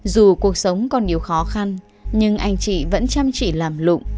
dù cuộc sống còn nhiều khó khăn nhưng anh chị vẫn chăm chỉ làm lụng